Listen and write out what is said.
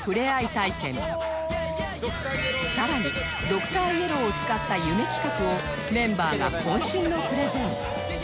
更にドクターイエローを使った夢企画をメンバーが渾身のプレゼン